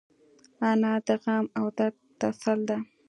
انا د غم او درد تسل ده